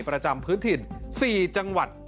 ประจำพื้นถิ่น๔จังหวัด